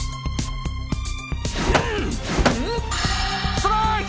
ストライク！